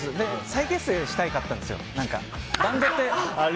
再結成をしたかったんですよ。